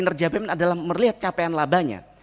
tidak hanya melihat kinerja bnn adalah melihat capaian labanya